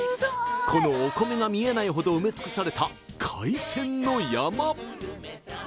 このお米が見えないほど埋め尽くされた海鮮の山